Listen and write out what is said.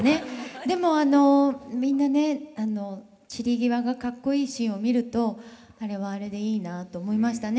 でもあのみんなね散り際がかっこいいシーンを見るとあれはあれでいいなと思いましたね。